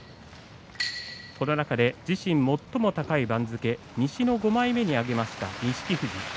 この中で自身最も高い番付西の５枚目に上げました錦富士。